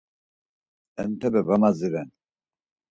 Entepe va madziren.